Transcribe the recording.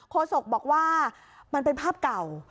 โศกบอกว่ามันเป็นภาพเก่า